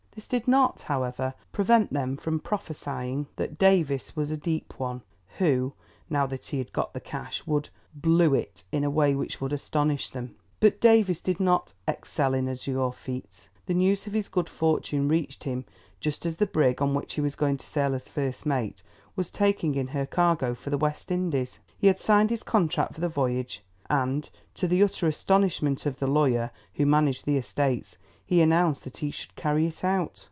This did not, however, prevent them from prophesying that Davies was a "deep one," who, now that he had got the cash, would "blue it" in a way which would astonish them. But Davies did not "excel in azure feats." The news of his good fortune reached him just as the brig, on which he was going to sail as first mate, was taking in her cargo for the West Indies. He had signed his contract for the voyage, and, to the utter astonishment of the lawyer who managed the estates, he announced that he should carry it out.